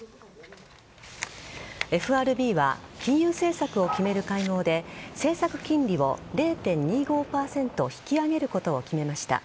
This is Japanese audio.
ＦＲＢは金融政策を決める会合で政策金利を０．２５％引き上げることを決めました。